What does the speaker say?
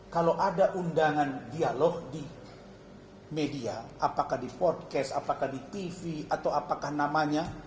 kalau ada undangan dialog di media apakah di podcast apakah di tv atau apakah namanya